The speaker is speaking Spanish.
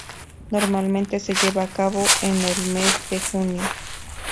Normalmente se lleva a cabo en el mes de Junio.